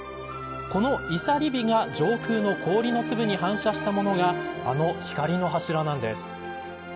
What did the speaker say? この、いさり火が上空の氷の粒に反射したものがあの光の柱なんです。